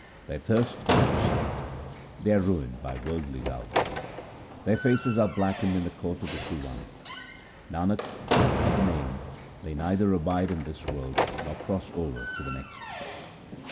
Their thirst is never slaked ; they are ruined by worldly love. Their faces are blackened in the court of the true One. Nanak, without the Name they neither abide in this world nor cross over to the next.